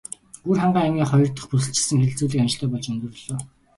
Өвөрхангай аймгийн хоёр дахь бүсчилсэн хэлэлцүүлэг амжилттай болж өндөрлөлөө.